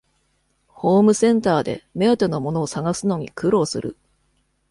ホームセンターで目当てのものを探すのに苦労する